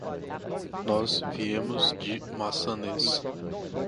Nós viemos de Massanes.